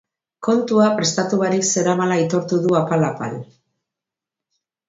Kontua prestatu barik zeramala aitortu du apal-apal.